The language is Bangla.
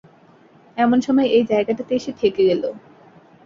এমন সময় এই জায়গাটাতে এসে ঠেকে গেল।